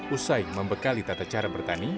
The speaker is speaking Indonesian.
usai membekali tata cara bertani